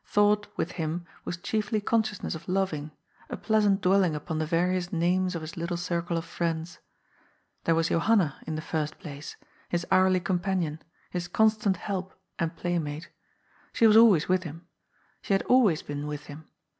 Thought, with him, was chiefly consciousness of loving, a pleasant dwelling upon the various names of his little circle of friends. There was Johanna, in the first place, his hourly companion, his constant help — and playmate.*^ She was always with him. She had always been with him.